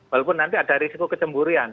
walaupun nanti ada risiko kecemburian